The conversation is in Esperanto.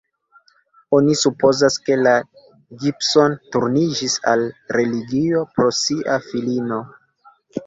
Oni supozas, ke la Gibson turniĝis al religio pro sia filino.